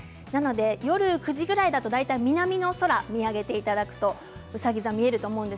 夜９時ぐらいだと大体南の空を見上げていただくとうさぎ座が見えると思います。